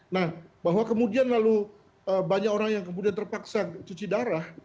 nah bahwa kemudian lalu banyak orang yang kemudian terpaksa cuci darah